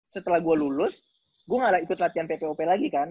setelah gue lulus gue gak ikut latihan ppop lagi kan